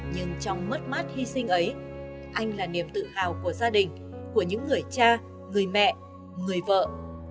nhưng trong mất mắt hy sinh ấy anh là niềm tự hào của gia đình của những người cha người mẹ người vợ đứa chị đứa trẻ